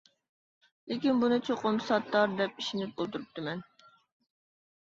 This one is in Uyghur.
لېكىن بۇنى چوقۇم ساتتار دەپ ئىشىنىپ ئولتۇرۇپتىمەن.